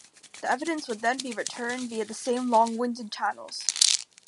The evidence would then be returned via the same long winded channels.